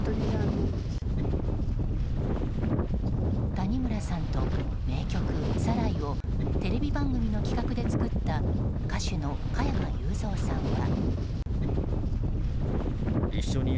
谷村さんと名曲「サライ」をテレビ番組の企画で作った歌手の加山雄三さんは。